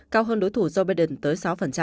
cao hơn đối thủ joe biden tới sáu